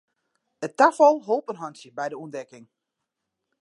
It tafal holp in hantsje by de ûntdekking.